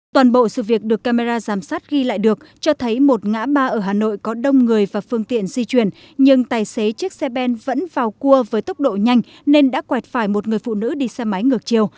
toàn bộ sự việc được camera giám sát ghi lại được cho thấy một ngã ba ở hà nội có đông người và phương tiện di chuyển nhưng tài xế chiếc xe ben vẫn vào cua với tốc độ nhanh nên đã quẹt phải một người phụ nữ đi xe máy ngược chiều